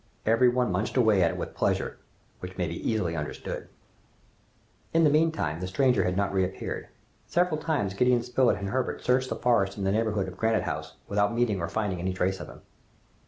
Every one munched away at it with a pleasure which may be easily understood. In the meanwhile, the stranger had not reappeared. Several times Gideon Spilett and Herbert searched the forest in the neighborhood of Granite House, without meeting or finding any trace of him.